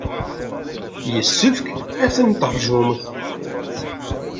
Yessefk ad ten-teṛjumt.